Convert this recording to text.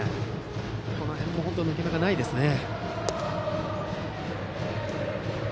この辺も抜け目がないですよね。